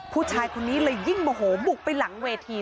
ผู้ชายคนนี้เลยยิ่งโมโหบุกไปหลังเวที